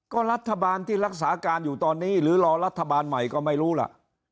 ก็รัฐบาลที่รักษาการอยู่ตอนนี้หรือรอรัฐบาลใหม่ก็ไม่รู้ล่ะ